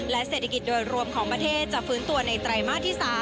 เศรษฐกิจโดยรวมของประเทศจะฟื้นตัวในไตรมาสที่๓